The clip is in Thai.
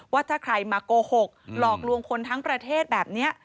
ว่าถ้าใครมาโกหกหลอกลวงคนทั้งประเทศแบบนี้